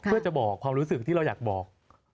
เพื่อจะบอกความรู้สึกที่เราอยากบอก